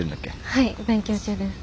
はい勉強中です。